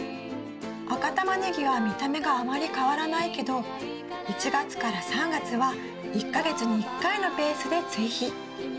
赤タマネギは見た目があまり変わらないけど１月から３月は１か月に１回のペースで追肥。